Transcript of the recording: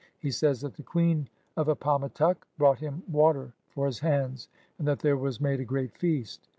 He says that the Quelen of Appamatuck brought him water for his hands, and that there Was made a great feast.